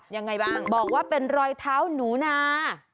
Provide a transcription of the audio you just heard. ยังไงบ้างบอกว่าเป็นรอยเท้าหนูนา